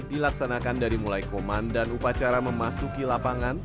dilaksanakan dari mulai komandan upacara memasuki lapangan